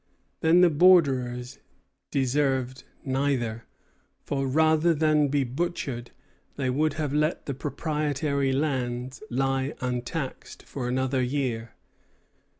Then the borderers deserved neither; for, rather than be butchered, they would have let the proprietary lands lie untaxed for another year.